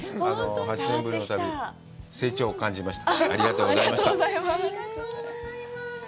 ８年ぶりの旅、成長を感じました。